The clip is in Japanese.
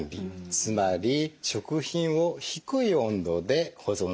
つまり食品を低い温度で保存する。